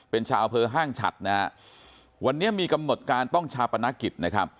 เป็นชาวเพลินห้างชัดเธอวันเนี่ยมีกำหนดการต้องชาวปนกิจ